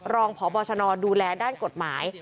รองพบชนดูแลด้านกฎหมาย